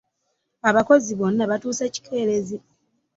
Abakozi bonna batuuse kikeerezi.